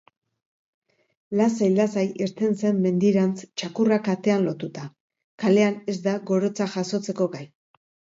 Lasai-lasai irten zen mendirantz txakurra katean lotuta. Kalean ez da gorotzak jasotzeko gai.